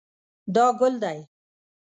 دا ګل دی